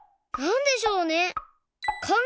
なんでしょうね？